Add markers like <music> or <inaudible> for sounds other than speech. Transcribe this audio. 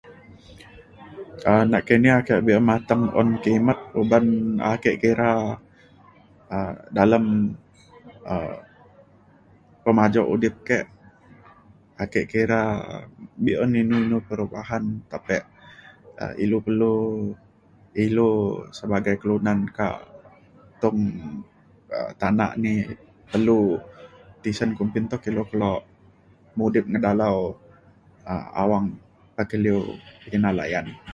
um nakini ake be'un mateng un kimet uban ake kira um dalem um pemajuk udip ke' ake kira be'un inu inu perubahan tapi um ilu perlu ilu sebagai kelunan ka tong um tanak ni telu tisen kumpin tok kelok mudip ngedalau um awang pekaliu <noise> kina layan.